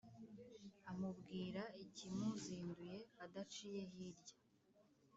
amubwira ikimuzinduye adaciye hirya,